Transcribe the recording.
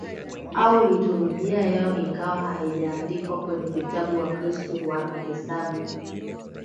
au liturujia yao ingawa haijaandikwa kwenye vitabu Wakristo wanahesabu